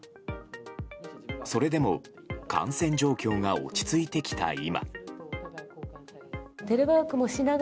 それでも感染状況が落ち着いてきた今。